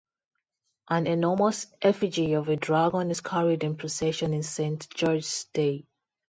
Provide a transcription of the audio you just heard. An enormous effigy of a dragon is carried in procession on St. George's Day.